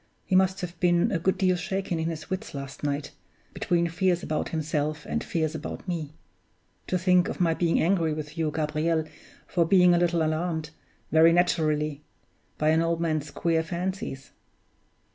He must have been a good deal shaken in his wits last night, between fears about himself and fears about me. (To think of my being angry with you, Gabriel, for being a little alarmed very naturally by an old man's queer fancies!)